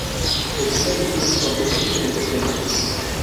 Según la edición, contenía diferentes temas.